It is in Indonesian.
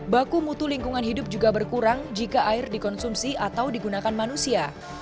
baku mutu lingkungan hidup juga berkurang jika air dikonsumsi atau digunakan manusia